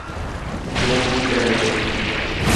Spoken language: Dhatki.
تون ڪي ڪري پئي.